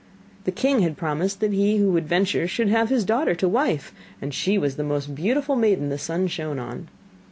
The king had promised that he who would venture should have his daughter to wife, and she was the most beautiful maiden the sun shone on.